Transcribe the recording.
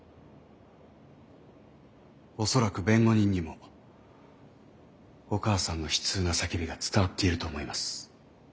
恐らく弁護人にもお母さんの悲痛な叫びが伝わっていると思います。